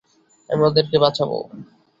আমি ওদেরকে বাঁচাবো।